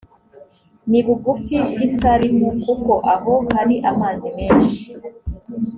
ni bugufi bw’i salimu kuko aho hari amazi menshi